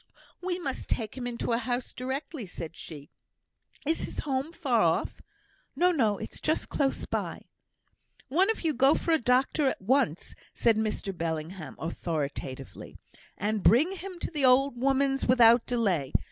"We must take him into a house directly," said she. "Is his home far off?" "No, no; it's just close by." "One of you go for a doctor at once," said Mr Bellingham, authoritatively, "and bring him to the old woman's without delay.